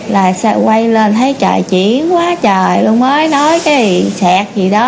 là quay lên thấy trời chỉ quá trời luôn mới nói cái xét gì đó